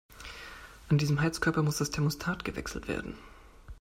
An diesem Heizkörper muss das Thermostat gewechselt werden.